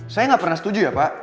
saya nggak pernah setuju ya pak